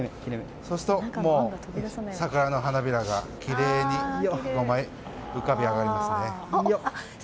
そうすると、桜の花びらがきれいに浮かび上がりますね。